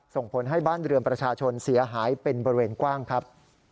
ส่งผลให้บ้านเรือนประชาชนเสียหายเป็นบริเวณกว้างครับ